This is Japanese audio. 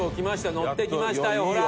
のってきましたよ、ほら！